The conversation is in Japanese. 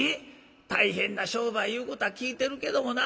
大変な商売いうことは聞いてるけどもな。